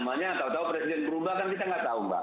namanya tahu tahu presiden berubah kan kita nggak tahu mbak